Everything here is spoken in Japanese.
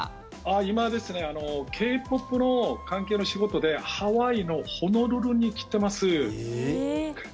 今ですねＫ−ＰＯＰの関係の仕事でハワイのホノルルに来ています。